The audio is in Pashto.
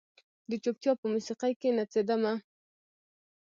د چوپتیا په موسیقۍ کې نڅیدمه